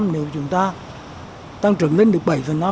nếu chúng ta tăng trưởng lên được bảy năm tám